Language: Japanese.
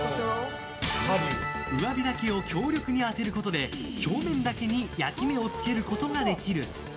上火だけを強力に当てることで表面だけに焼き目を付けることができる。